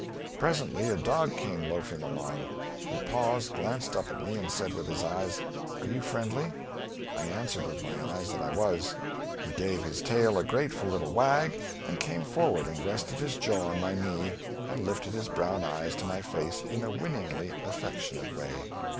Presently a dog came loafing along. He paused, glanced up at me and said, with his eyes, "Are you friendly?" I answered, with my eyes, that I was. He gave his tail a grateful little wag and came forward and rested his jaw on my knee and lifted his brown eyes to my face in a winningly affectionate way.